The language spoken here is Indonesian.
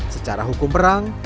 secara hukum perang